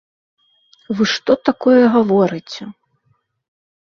Вы што такое гаворыце!